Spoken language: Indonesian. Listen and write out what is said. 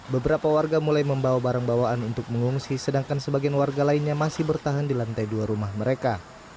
beberapa warga mulai membawa barang bawaan untuk mengungsi sedangkan sebagian warga lainnya masih bertahan di lantai dua rumah mereka